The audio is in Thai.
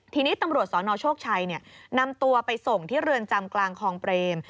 ทีนี้ตำรวจสนโชคชัยนำตัวไปส่งที่เรือนจำกลางคลองเปรม